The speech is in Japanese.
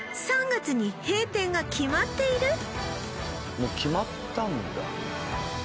３月に閉店が決まっている！？